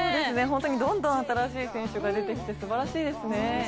本当にどんどん新しい選手が出てきて、すばらしいですね。